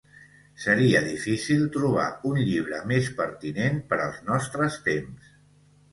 Seria difícil trobar un llibre més pertinent per als nostres temps.